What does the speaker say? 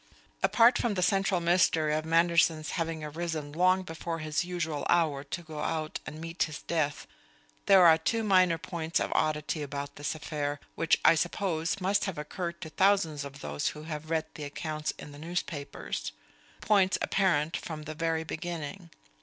Apart from the central mystery of Manderson's having arisen long before his usual hour to go out and meet his death, there were two minor points of oddity about this affair which, I suppose, must have occurred to thousands of those who have read the accounts in the newspapers; points apparent from the very beginning.